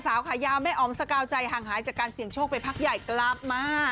สาวขายาวแม่อ๋อมสกาวใจห่างหายจากการเสี่ยงโชคไปพักใหญ่กลับมา